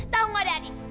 tahu gak dadi